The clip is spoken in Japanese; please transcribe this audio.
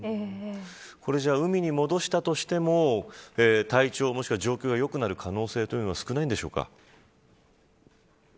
これ、じゃあ海に戻したとしても体調、もしくは状況が良くなる可能性は少ないんでしょうか。